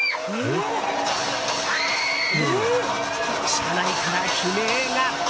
車内から悲鳴が！